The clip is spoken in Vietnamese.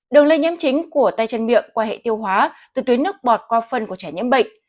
đường lây nhiễm chính của tay chân miệng qua hệ tiêu hóa từ tuyến nước bọt qua phân của trẻ nhiễm bệnh